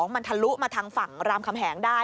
มันทะลุมาทางฝั่งรามคำแหงได้